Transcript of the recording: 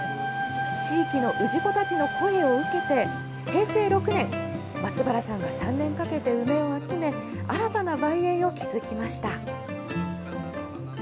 地域の氏子たちの声を受けて、平成６年、松原さんが３年かけて梅を集め、新たな梅園を築きました。